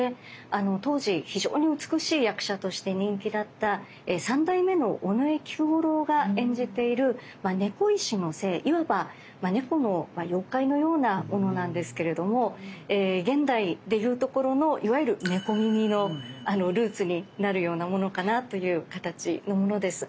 当時非常に美しい役者として人気だった３代目の尾上菊五郎が演じている猫石の精いわば猫の妖怪のようなものなんですけれども現代でいうところのいわゆる猫耳のルーツになるようなものかなという形のものです。